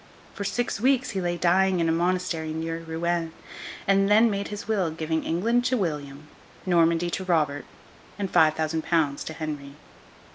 For six weeks he lay dying in a monastery near Rouen, and then made his will, giving England to William, Normandy to Robert, and five thousand pounds to Henry.